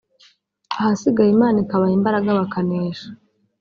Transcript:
ahasigaye Imana ikabaha imbaraga bakanesha